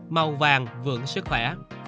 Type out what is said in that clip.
màu vàng vượng sức khỏe